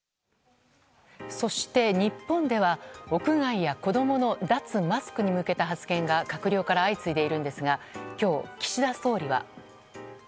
そして、日本では屋外や子供の脱マスクに向けた発言が閣僚から相次いでいるんですが今日、岸田総理は。